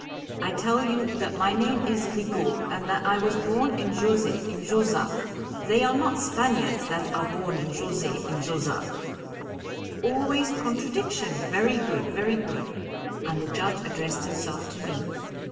'I tell you that my name is Rigaud, and that I was born in Josey, in Josas; they are not Spaniards that are born in Josey, in Josas.' 'Always contradiction; very good, very good!' And the Judge addressed himself to me.